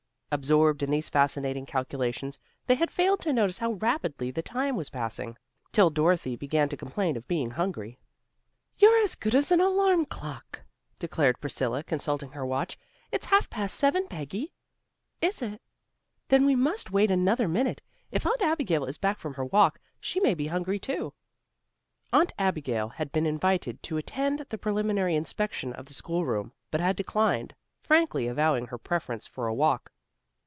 Absorbed in these fascinating calculations, they had failed to notice how rapidly the time was passing, till Dorothy began to complain of being hungry. "You're as good as an alarm clock," declared Priscilla, consulting her watch. "It's half past eleven, Peggy." "Is it? Then we mustn't wait another minute. If Aunt Abigail is back from her walk, she may be hungry too." Aunt Abigail had been invited to attend the preliminary inspection of the schoolroom, but had declined, frankly avowing her preference for a walk.